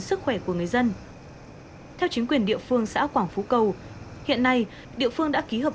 sức khỏe của người dân theo chính quyền địa phương xã quảng phú cầu hiện nay địa phương đã ký hợp